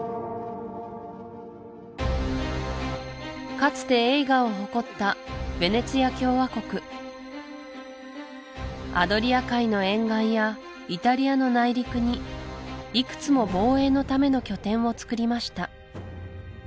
かつて栄華を誇ったヴェネツィア共和国アドリア海の沿岸やイタリアの内陸にいくつも防衛のための拠点をつくりました